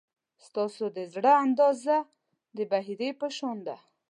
ستاسو د زړه اندازه د بحیرې په شان ده.